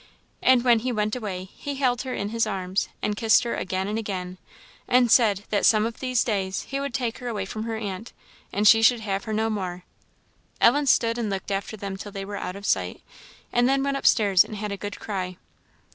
And when he went away, he held her in his arms, and kissed her again and again; and said that "some of these days he would take her away from her aunt, and she should have her no more." Ellen stood and looked after them till they were out of sight, and then went upstairs and had a good cry.